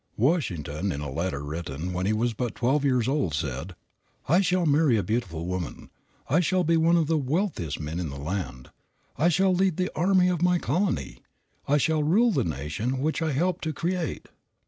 Washington, in a letter written when he was but twelve years old, said: "I shall marry a beautiful woman; I shall be one of the wealthiest men in the land; I shall lead the army of my colony; I shall rule the nation which I help to create."